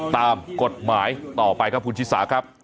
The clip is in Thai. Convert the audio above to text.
ตามกฎหมายต่อไปครับพุทธศาสตร์ครับ